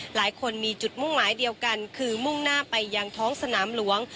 หลายคนมีจุดมุ่งหมายเดียวกันคือมุ่งหน้าไปยังท้องสนามหลวง